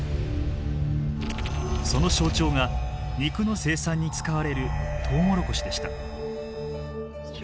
その象徴が肉の生産に使われるトウモロコシでした。